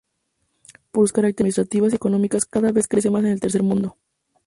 Por sus características administrativas y económicas cada vez crece mas en el tercer mundo.